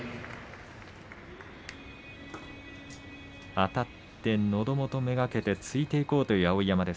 あたって、のど元目がけて突いていこうという碧山。